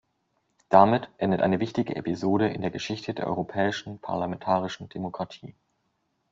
Damit endet eine wichtige Episode in der Geschichte der europäischen parlamentarischen Demokratie.